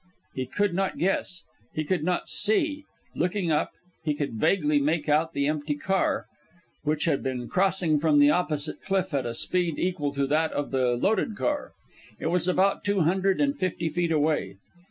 He could not guess; he could not see. Looking up, he could vaguely make out the empty car, which had been crossing from the opposite cliff at a speed equal to that of the loaded car. It was about two hundred and fifty feet away.